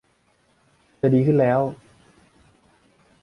เธอดีขึ้นแล้ว